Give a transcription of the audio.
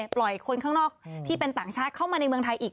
คนข้างนอกที่เป็นต่างชาติเข้ามาในเมืองไทยอีก